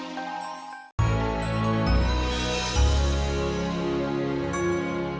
tapi terima kasih tad dipunyai